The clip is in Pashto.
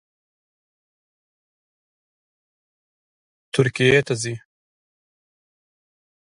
ترکیې ته ځي